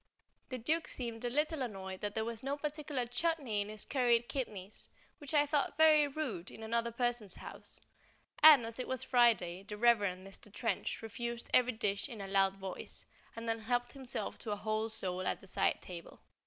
The Duke seemed a little annoyed that there was not a particular chutney in his curried kidneys, which I thought very rude in another person's house; and, as it was Friday, the Reverend Mr. Trench refused every dish in a loud voice, and then helped himself to a whole sole at the side table.